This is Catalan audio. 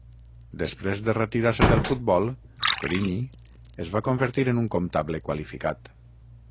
Després de retirar-se del futbol, Creaney es va convertir en un comptable qualificat.